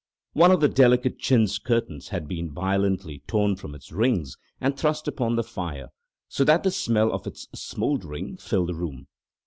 One of the delicate chintz curtains had been violently torn from its rings and thrust upon the fire, so that the smell of its smouldering filled the room.